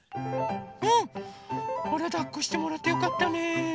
あらだっこしてもらってよかったね。